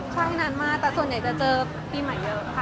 ใช่หิ้นทนานมากแต่ส่วนใหญ่ก็เจอพี่หมายยอบค่ะ